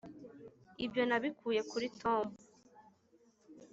ibyo nabikuye kuri tom.